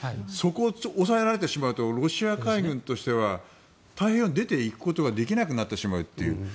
そこを抑えられてしまうとロシア海軍としては太平洋に出ていくことができなくなってしまうという。